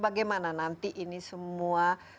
bagaimana nanti ini semua